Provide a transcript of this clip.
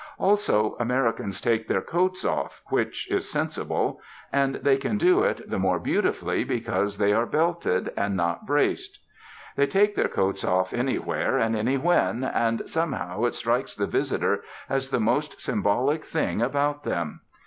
Also, Americans take their coats off, which is sensible; and they can do it the more beautifully because they are belted, and not braced. They take their coats off anywhere and any when, and somehow it strikes the visitor as the most symbolic thing about them.